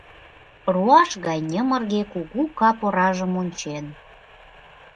Руаш гай ньымырге кугу кап оражым ончен.